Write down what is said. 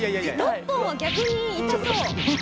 ６本は逆に痛そう。